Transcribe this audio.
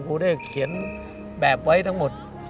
ครูได้เขียนแบบไว้ทั้งหมด